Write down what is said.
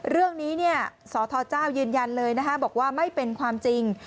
เรื่องนี้สทเจ้ายืนยันเลยนะคะบอกว่าไม่เป็นความจริง